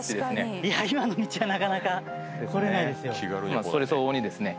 まあそれ相応にですね。